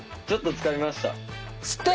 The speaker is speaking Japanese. ちょっとつかみました。